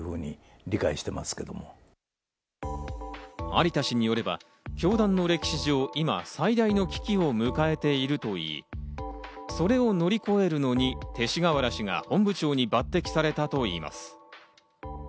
有田氏によれば、教団の歴史上、今最大の危機を迎えているといい、それを乗り越えるのに勅使河原氏が本部長に抜擢されたといいます。